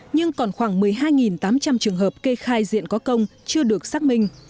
nhưng còn khoảng một mươi hai tám trăm linh trường hợp kê khai diện có công chưa được xác minh